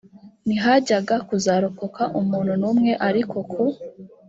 ntihajyaga kuzarokoka umuntu n umwe ariko ku